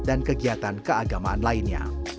dan kegiatan keagamaan lainnya